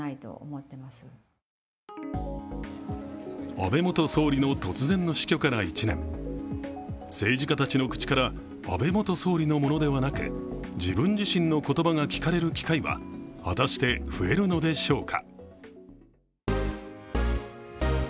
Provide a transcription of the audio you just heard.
安倍元総理の突然の死去から１年政治家たちの口から、安倍元総理のものではなく自分自身の言葉が聞かれる機会は果たして増えるのでしょうか。